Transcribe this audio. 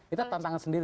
itu tantangan sendiri